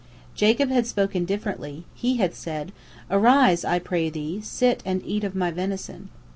Jacob had spoken differently; he had said, "Arise, I pray thee, sit and eat of my venison."